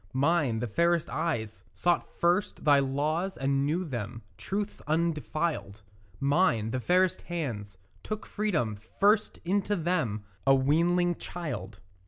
Mine, the fairest eyes, sought first thy laws and knew them Truths undefiled; Mine, the fairest hands, took freedom first into them, A weanling child.